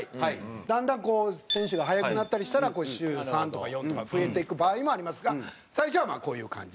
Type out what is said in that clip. だんだんこう選手が速くなったりしたら週３とか４とか増えていく場合もありますが最初はこういう感じで。